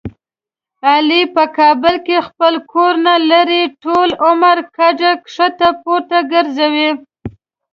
علي په کابل کې خپل کور نه لري. ټول عمر کډه ښکته پورته ګرځوي.